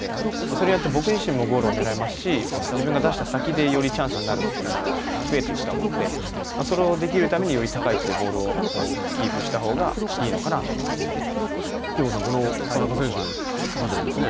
それをやって僕自身もゴールをねらえますし、自分が出した先でよりチャンスになるというのが増えていくと思うのでそれをできるためにより高い位置でボールをキープしたほうがいい憲剛さん、田中選手のビジョンですね。